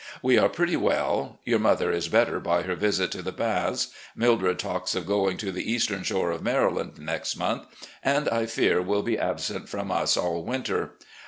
W^e are pretty well. Your mother is better by her visit to the Baths. Mildred talks of going to the Eastern Shore of Maryland next month, and I fear will be absent from us all winter.